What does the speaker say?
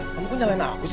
loh kamu kok nyalain aku sih